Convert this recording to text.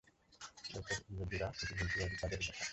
এরপর ইহুদীরা কিছু ভেল্কিবাজিও তাদের দেখায়।